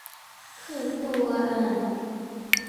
เคยตัวอะ